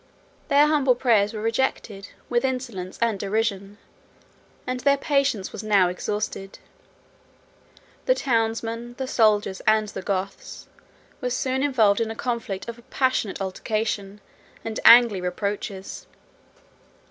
Their humble prayers were rejected with insolence and derision; and as their patience was now exhausted, the townsmen, the soldiers, and the Goths, were soon involved in a conflict of passionate altercation and angry reproaches.